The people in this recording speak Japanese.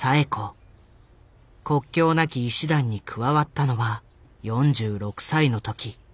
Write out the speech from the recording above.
国境なき医師団に加わったのは４６歳の時。